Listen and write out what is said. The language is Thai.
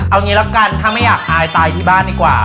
เอางี้แล้วกันถ้าไม่อยากตายตายที่บ้านดีกว่า